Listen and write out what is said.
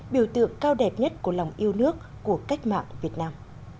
biểu tượng cao đẹp nhất của lòng yêu nước của cách mạng việt nam